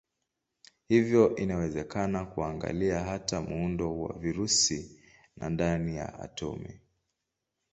Hivyo inawezekana kuangalia hata muundo wa virusi na ndani ya atomi.